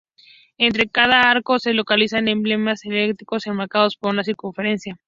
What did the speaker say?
Entre cada arco se localizan emblemas heráldicos enmarcados por una circunferencia.